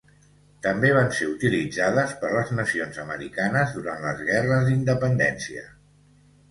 També van ser utilitzades per les nacions americanes durant les guerres d'independència.